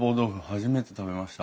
初めて食べました。